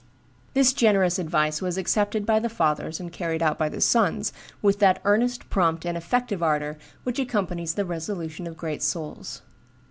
This generous advice was accepted by the fathers and carried out by the sons with that earnest, prompt, and effective ardor which accompanies the resolution of great souls.